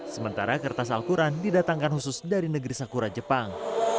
sementara kertas al quran didatangkan khusus dari negeri sakura jepang